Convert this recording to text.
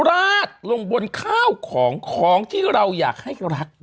ราดลงบนข้าวของของที่เราอยากให้รัก